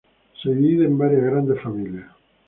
Se divide en varias grandes familias.